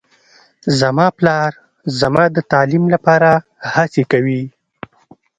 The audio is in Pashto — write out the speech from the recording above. زما پلار زما د تعلیم لپاره هڅې کوي